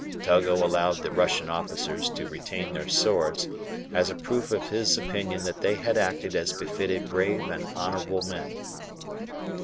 Togo allowed the Russian officers to retain their swords, as a proof of his opinion that they had acted as befitted brave and honourable men.